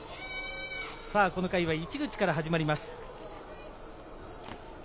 この回は市口から始まります。